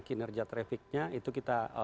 kinerja trafficnya itu kita